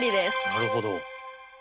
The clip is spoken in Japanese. なるほど。